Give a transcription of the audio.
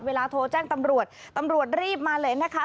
เวลาโทรแจ้งตำรวจตำรวจรีบมาเลยนะคะ